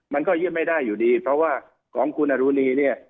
มันก็ยื่นไม่ได้อยู่ดีเพราะว่าของคุณอรุณีเนี่ย